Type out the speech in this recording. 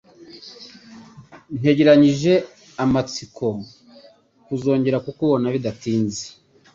Ntegerezanyije amatsiko kuzongera kukubona bidatinze.